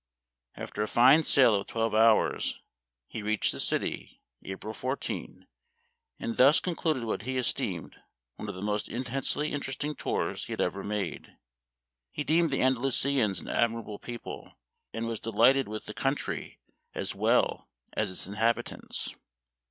After a fine sail of twelve hours he reached the city, April 14, and thus concluded what he es teemed one of the most intensely interesting tours he had ever made. He deemed the Andalusians an admirable people, and was delighted with the country as well as its inhabitants.